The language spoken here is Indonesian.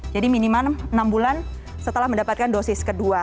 jadi minim enam bulan setelah mendapatkan dosis kedua